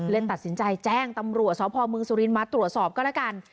ตัดสินใจแจ้งตำรวจสพมสุรินทร์มาตรวจสอบก็แล้วกัน